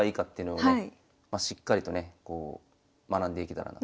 しっかりとね学んでいけたらなと。